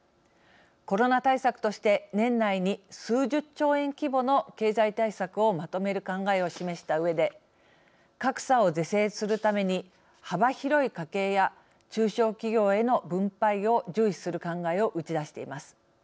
コロナ対策として年内に数十兆円規模の経済対策をまとめる考えを示したうえで格差を是正するために幅広い家計や中小企業への分配を重視する考えを打ち出しています。